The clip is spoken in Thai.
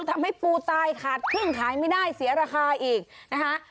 ทำให้ปูตายขาดครึ่งขายไม่ได้เสียราคาอีกนะคะ